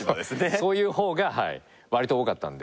そういう方が割と多かったんで。